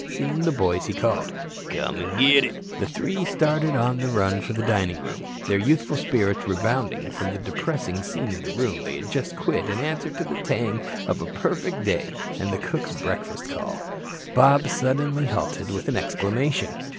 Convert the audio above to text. Seeing the boys, he called: "Come an' git it." The three started on the run for the dining room, their youthful spirits rebounding from the depressing scene in the room they had just quit in answer to the tang of a perfect day and the cook's breakfast call. Bob suddenly halted with an exclamation.